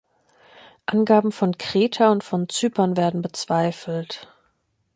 Angaben von Kreta und von Zypern werden bezweifelt.